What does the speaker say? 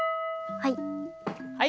はい。